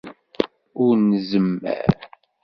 Ur nzemmer.